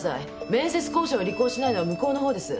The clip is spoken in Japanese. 面接交渉を履行しないのは向こうのほうです。